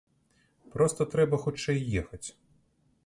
Проста трэба хутчэй ехаць!